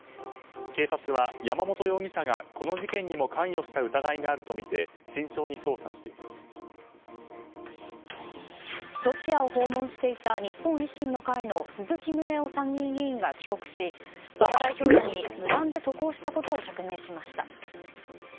警察は、山本容疑者がこの事件にも関与した疑いがあるとみてロシアを訪問していた日本維新の会の鈴木宗男参議院議員が帰国し馬場代表らに無断で渡航したことを釈明しました。